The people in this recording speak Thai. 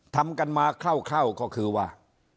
ทำกันมาคร่าวก็คือว่า